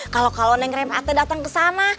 kalau kalau neng rem ate datang ke sana